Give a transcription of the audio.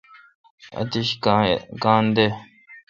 اتیش کاں دے۔